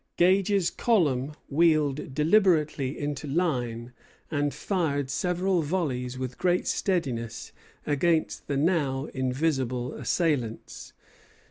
Gage's column wheeled deliberately into line, and fired several volleys with great steadiness against the now invisible assailants.